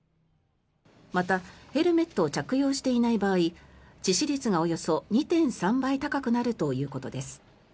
また、ヘルメットを着用していない場合致死率がおよそ２．３倍高くなるということです。